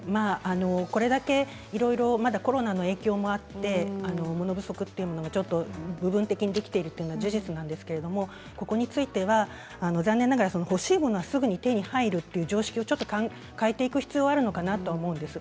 これだけいろいろコロナの影響もあって物不足というのもちょっと部分的にできているというのは事実なんですが、ここについては残念ながら欲しいものがすぐに手に入る常識を変えていく必要はあるのかなと思うんです。